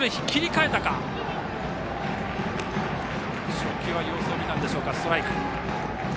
初球は様子を見たんでしょうかストライク。